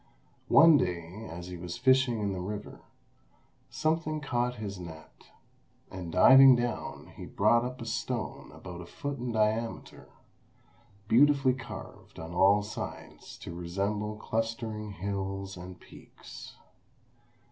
One day as he was fishing in the river, something caught his net, and diving down he brought up a stone about a foot in diameter, beautifully carved on all sides to resemble clustering hills and peaks.